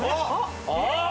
あっ！